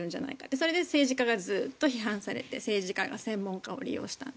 それで政治家がずっと批判されて政治家が専門家を利用したと。